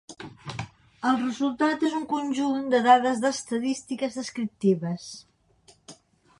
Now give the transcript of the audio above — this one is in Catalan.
El resultat és un conjunt de dades d’estadístiques descriptives.